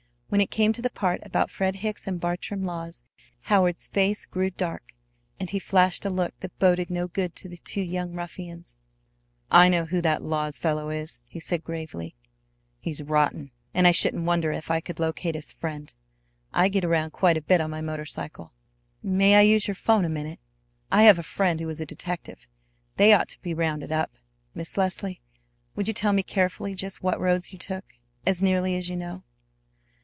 When it came to the part about Fred Hicks and Bartram Laws, Howard's face grew dark, and he flashed a look that boded no good to the two young ruffians. "I know who that Laws fellow is," he said gravely. "He's rotten! And I shouldn't wonder if I could locate his friend. I get around quite a bit on my motor cycle. May I use your 'phone a minute? I have a friend who is a detective. They ought to be rounded up. Miss Leslie, would you tell me carefully just what roads you took, as nearly as you know?"